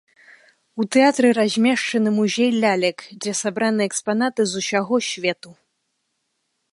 У тэатры размешчаны музей лялек, дзе сабраны экспанаты з усяго свету.